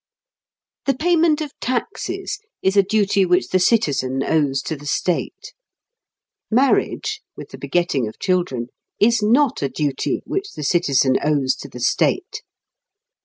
The payment of taxes is a duty which the citizen owes to the state. Marriage, with the begetting of children, is not a duty which the citizen owes to the state.